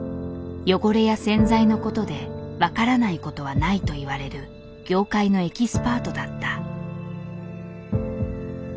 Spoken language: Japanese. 汚れや洗剤のことで分からないことはないといわれる業界のエキスパートだった。